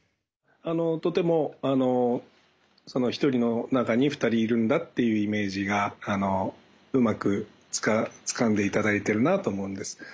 とても一人の中に二人いるんだっていうイメージがうまくつかんで頂いてるなと思うんです。